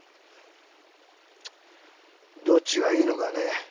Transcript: どっちがいいのかね。